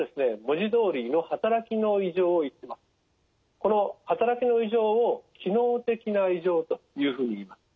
このはたらきの異常を機能的な異常というふうにいいます。